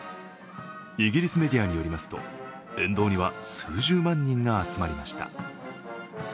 イギリスメディアによりますと、沿道には数十万人が集まりました。